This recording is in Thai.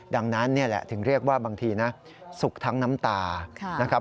ดังนั้นนี่แหละถึงเรียกว่าบางทีสุขทั้งน้ำตา